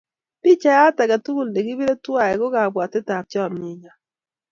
Pichaiyat ake tukul ne kipire twai ko kapwatetap chomye nyon.